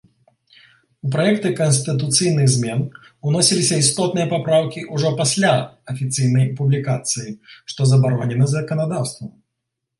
У праекты канстытуцыйных змен уносіліся істотныя папраўкі ўжо пасля афіцыйнай публікацыі, што забаронена заканадаўствам.